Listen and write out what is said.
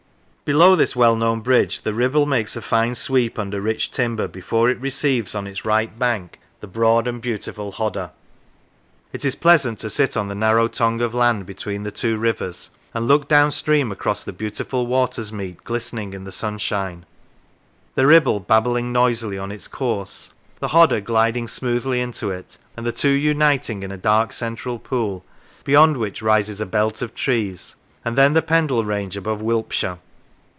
Below this well known bridge the Ribble makes a fine sweep under rich timber before it receives on its right bank the broad and beautiful Hodder. It is pleasant to sit on the narrow tongue of land between the two rivers, and look downstream across the beautiful watersmeet glistening in the sunshine the Ribble babbling noisily on its course, the Hodder gliding smoothly into it, and the two uniting in a dark central pool, beyond which rises a belt of trees, and then the Pendle range above Wilpshire.